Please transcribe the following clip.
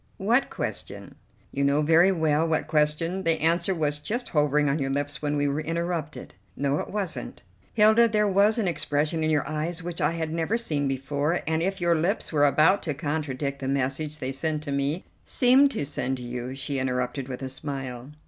"What question?" "You know very well what question; the answer was just hovering on your lips when we were interrupted." "No, it wasn't." "Hilda, there was an expression in your eyes which I had never seen before, and if your lips were about to contradict the message they sent to me " "Seemed to send to you," she interrupted with a smile.